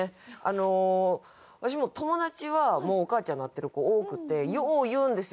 わしも友達はもうお母ちゃんになってる子多くてよう言うんですよ